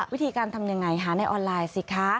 วิธีการทำยังไงหาในออนไลน์สิคะ